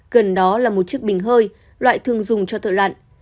gần đó là một chiếc bình hơi loại thường dùng cho thợ lặn